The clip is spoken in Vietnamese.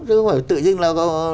chứ không phải tự nhiên là